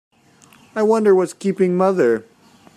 I wonder what's keeping mother?